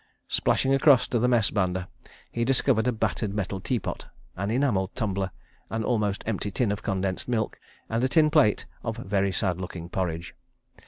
Splashing across to the Mess banda, he discovered a battered metal teapot, an enamelled tumbler, an almost empty tin of condensed milk, and a tin plate of very sad looking porridge.